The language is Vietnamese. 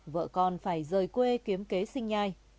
vợ con phải rời quê kiếm kế sinh nhai